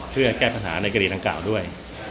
เพื่อแก้ปัญหาในคดีดังกล่าวด้วย